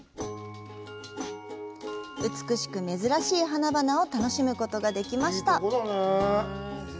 美しく珍しい花々を楽しむことができました。